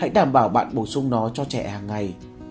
hãy đảm bảo bạn bổ sung nó cho trẻ hằng ngày